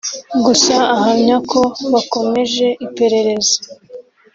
Gusa ahamya ko bakomeje iperereza